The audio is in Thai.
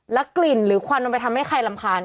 กลิ่นหรือควันมันไปทำให้ใครรำคาญ